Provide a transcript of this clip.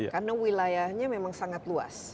karena wilayahnya memang sangat luas